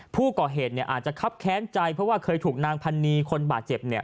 ผู้ก่อเหตุอาจจะคับแค้นใจเพราะว่าเคยถูกนางพันนีคนบาดเจ็บ